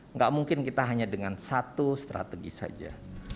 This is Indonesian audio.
nggak mungkin kita hanya dengan satu strategi saja